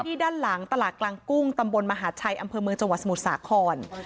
ด้านหลังตลาดกลางกุ้งตำบลมหาชัยอำเภอเมืองจังหวัดสมุทรสาคร